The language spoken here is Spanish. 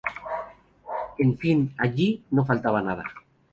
En fin allí no faltaba nada.